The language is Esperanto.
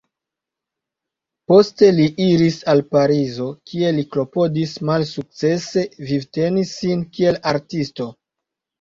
Poste li iris al Parizo, kie li klopodis malsukcese vivteni sin kiel artisto.